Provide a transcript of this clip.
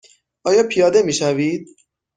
آیا پیاده می شوید؟